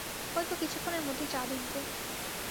হয়তো কিছুক্ষণের মধ্যেই চাঁদ উঠবে।